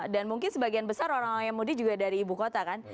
dan mungkin sebagian besar orang orang yang muda juga dari ibu kota kan